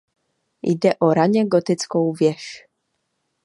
Jde o raně gotickou věž.